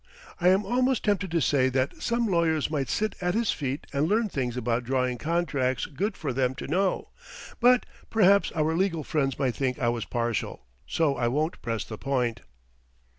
I am almost tempted to say that some lawyers might sit at his feet and learn things about drawing contracts good for them to know, but perhaps our legal friends might think I was partial, so I won't press the point.